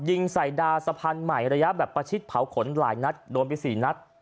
ยิงใส่ดาสะพานใหม่ระยะแบบประชิดเผาขนหลายนัดโดนไปสี่นัด